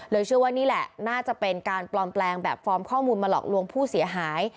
เชื่อว่านี่แหละน่าจะเป็นการปลอมแปลงแบบฟอร์มข้อมูลมาหลอกลวงผู้เสียหาย